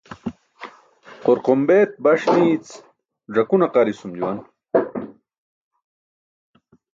Qorqombeṭ baṣ niic ẓakun aqarisum juwan.